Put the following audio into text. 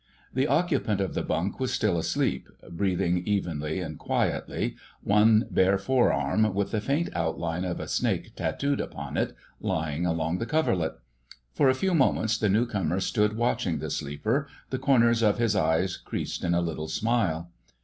The occupant of the bunk was still asleep, breathing evenly and quietly, one bare forearm, with the faint outline of a snake tattooed upon it, lying along the coverlet. For a few moments the new comer stood watching the sleeper, the corners of his eyes creased in a little smile.